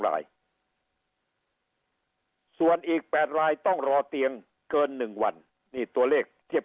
รายส่วนอีกแปดรายต้องรอเตียงเกินหนึ่งวันตัวเลขเทียบ